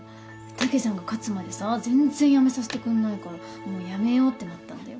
たけちゃんが勝つまでさ全然やめさせてくんないからもうやめようってなったんだよ。